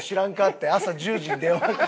って朝１０時に電話かかって。